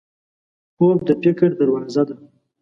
خوب د فکر دروازه ده